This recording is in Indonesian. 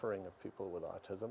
orang orang dengan autism